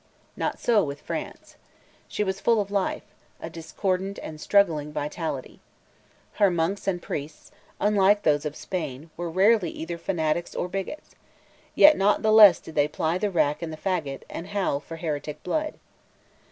Not so with France. She was full of life, a discordant and struggling vitality. Her monks and priests, unlike those of Spain, were rarely either fanatics or bigots; yet not the less did they ply the rack and the fagot, and howl for heretic blood.